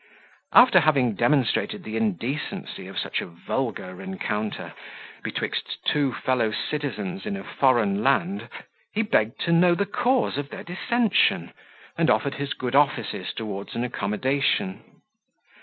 After having demonstrated the indecency of such a vulgar rencontre, betwixt two fellow citizens in a foreign land, he begged to know the cause of their dissension, and offered his good offices towards an accommodation.